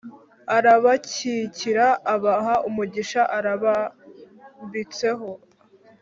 Arabakikira abaha umugisha abarambitseho